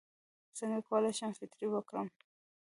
څنګه کولی شم فطرې ورکړم